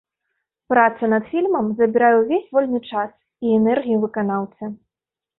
Праца над фільмам забірае ўвесь вольны час і энергію выканаўцы.